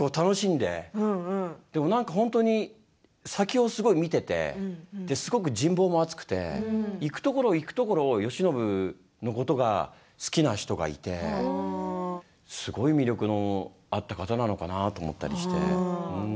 でも、なんか本当に行くところ行くところ慶喜のことが好きな人がいてすごい魅力のあった方なのかなと思ったりして。